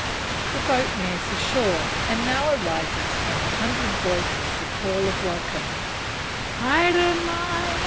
The boat nears the shore, and now arises from a hundred voices the call of welcome, "_Haere mai!